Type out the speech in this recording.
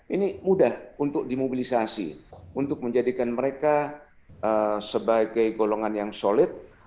ini mudah untuk dimobilisasi untuk menjadikan mereka sebagai golongan yang solid